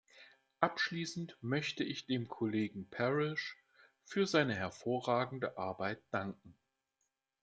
Abschließend möchte ich dem Kollegen Parish für seine hervorragende Arbeit danken.